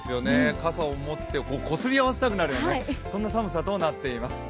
傘を持つ手、こすり合わせたくなるような、そんな寒さとなっています